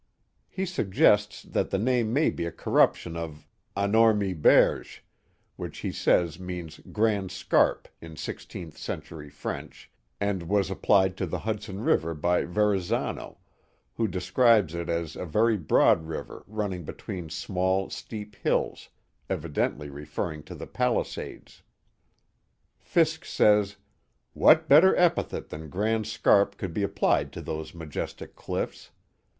He suggests that the name may be a corruption of Anormee Berge, which he says 4 The Mohawk Valley means Grand Scarp in sixteenth century French, and was ap plied to the Hudson River by Verrazzano, who describes it as a very broad river running between small steep hills, evidently referring to the Palisades. Fiske says: What better epithet than Grand Scarp could be applied to those majestic cliffs.